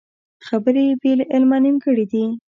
خبرې بې له عمله نیمګړې دي